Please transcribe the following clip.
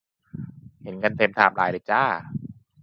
เห็นกันเต็มไทม์ไลน์เลยจ้า